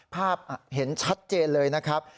ภาพเห็นชัดเจนเลยนะครับ